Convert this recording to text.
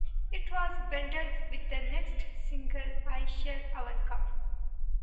It was bundled with the next single "I Shall Overcome".